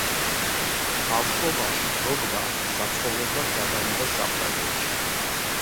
ბავშვობაში დროგბა საცხოვრებლად გადავიდა საფრანგეთში.